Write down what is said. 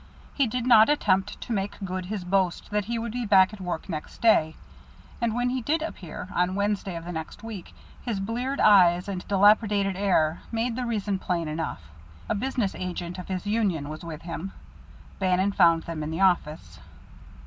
He did not attempt to make good his boast that he would be back at work next day, and when he did appear, on Wednesday of the next week, his bleared eyes and dilapidated air made the reason plain enough. A business agent of his union was with him; Bannon found them in the office.